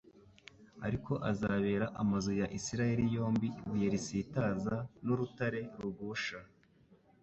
ariko azabera amazu ya Isiraeli yombi ibuye risitaza n’urutare rugusha,